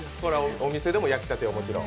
お店でも焼きたてをもちろん。